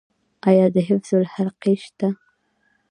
آیا د حفظ حلقې شته؟